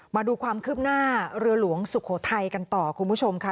มาดูความคืบหน้าเรือหลวงสุโขทัยกันต่อคุณผู้ชมค่ะ